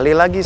oh ini dia